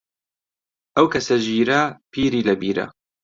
ئەو کەسە ژیرە، پیری لە بیرە